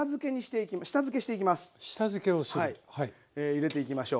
入れていきましょう。